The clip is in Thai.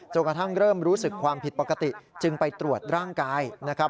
กระทั่งเริ่มรู้สึกความผิดปกติจึงไปตรวจร่างกายนะครับ